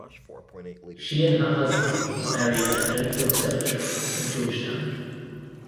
She and her husband are buried at Oak Hill Cemetery in Georgetown.